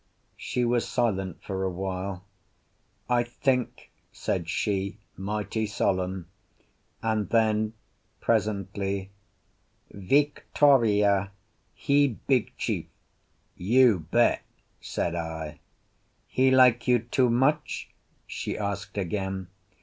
She was silent for a while. "I think," said she, mighty solemn—and then, presently—"Victoreea, he big chief?" "You bet!" said I. "He like you too much?" she asked again.